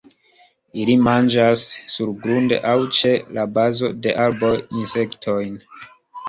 Ili manĝas surgrunde aŭ ĉe la bazo de arboj insektojn.